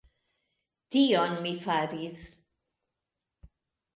Tion mi faris.